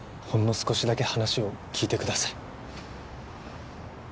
ほんの少しだけ話を聞いてください